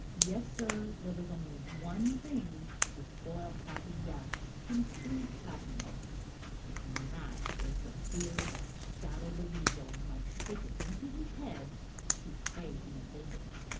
Yes, Sir, there was only one thing to spoil Happy Jack's complete happiness, and that was the fear that Shadow the Weasel might take it into his head to pay him a visit.